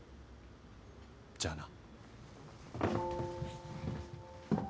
じゃあな。